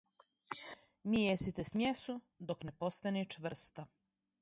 Мијесите смјесу док не постане чврста.